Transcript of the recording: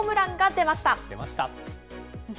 出ました。